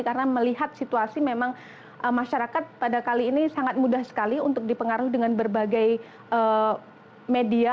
karena melihat situasi memang masyarakat pada kali ini sangat mudah sekali untuk dipengaruhi dengan berbagai media